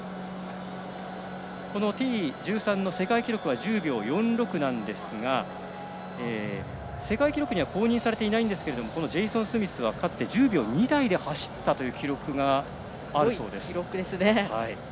Ｔ１３の世界記録は１０秒４６ですが世界記録に公認されていませんがジェイソン・スミスはかつて１０秒２台で走ったという記録があるそうです。